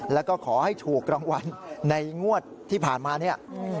แล้วก็ขอให้ถูกรางวัลในงวดที่ผ่านมาเนี่ย